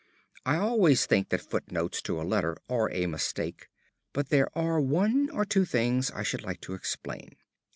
I always think that footnotes to a letter are a mistake, but there are one or two things I should like to explain.